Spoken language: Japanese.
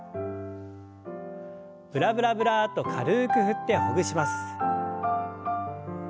ブラブラブラッと軽く振ってほぐします。